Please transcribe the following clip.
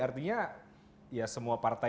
artinya ya semua partai